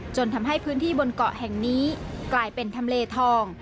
จนทำให้พื้นที่บนเกาะแห่งนี้กลายเป็นทำเลทอง